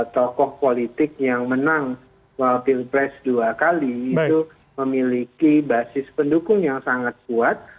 tokoh politik yang menang pilpres dua kali itu memiliki basis pendukung yang sangat kuat